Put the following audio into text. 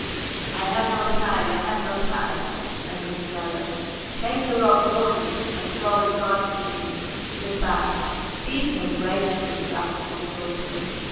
"I have no time, I have no time, my good fellow. Take your old woman and go in God's name. Goodbye." "Be so gracious," Yakov besought him.